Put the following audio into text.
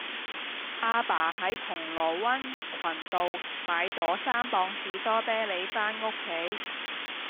亞爸喺銅鑼灣益群道買左三磅士多啤梨返屋企